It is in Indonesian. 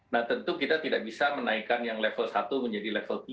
nah tentu kita tidak bisa menaikkan yang level satu menjadi level tiga